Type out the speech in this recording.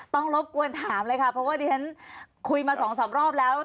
รบกวนถามเลยค่ะเพราะว่าดิฉันคุยมาสองสามรอบแล้ว